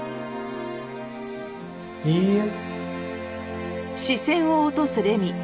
いいえ。